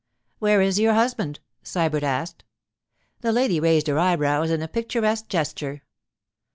'Where is your husband?' Sybert asked. The lady raised her eyebrows in a picturesque gesture.